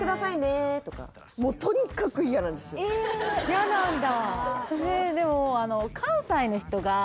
嫌なんだ